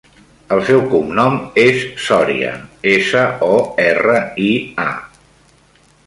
El seu cognom és Soria: essa, o, erra, i, a.